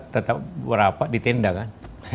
tetap berapa di tenda kan